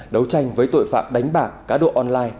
đấu tranh với tội phạm đánh bạc cá độ online